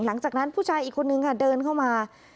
หลังจากนั้นผู้ชายอีกคนนึงค่ะเดินเข้ามา